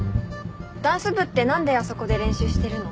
ダンス部ってなんであそこで練習してるの？